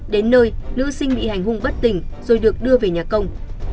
đến nơi nữ sinh bị hành hung bất tỉnh rồi được đưa về nhà công